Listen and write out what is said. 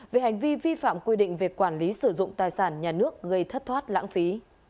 về hành vi vi phạm quy định về quản lý sử dụng tài sản nhà nước gây thất thoát lãng phí